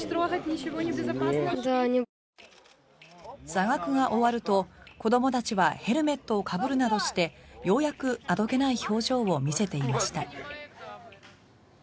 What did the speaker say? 座学が終わると子どもたちはヘルメットをかぶるなどしてようやく、あどけない表情を見せていました。